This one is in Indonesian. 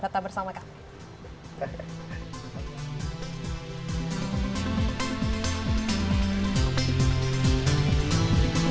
tetap bersama kami